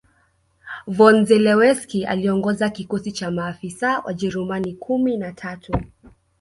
von Zelewski aliongoza kikosi cha maafisa Wajerumani kumi na tatu